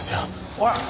おい！